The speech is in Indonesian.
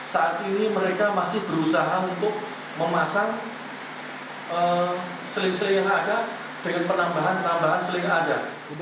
saat ini mereka masih berusaha untuk memasang seling seling yang ada dengan penambahan penambahan seling yang ada